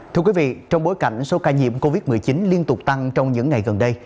thưa quý vị trong bối cảnh số ca nhiễm covid một mươi chín liên tục tăng trong những ngày gần đây